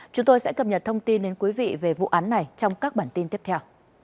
chúng tôi sẽ cập nhật thông tin đến quý vị về vụ án này trong các bản tin tiếp theo